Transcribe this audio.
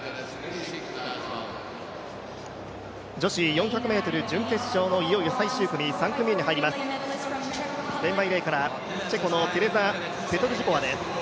女子４００ｍ準決勝のいよいよ最終組、３組目に入ります、レーンバイレーンからチェコのペトルジコワです。